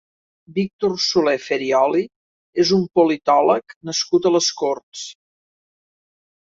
Víctor Solé Ferioli és un politòleg nascut a les Corts.